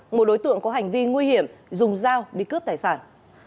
một đối tượng có hành vi nguy hiểm dùng dao đi cướp tài sản